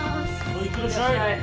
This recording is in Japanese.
いってらっしゃい。